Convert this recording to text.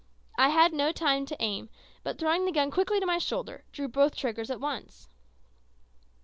I had no time to aim, but throwing the gun quickly to my shoulder, drew both triggers at once.